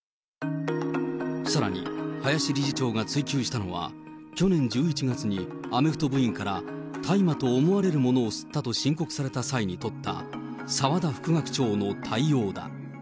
さらに、林理事長が追及したのは、去年１１月にアメフト部員から、大麻と思われるものを吸ったと申告された際に取った澤田副学長の対応だ。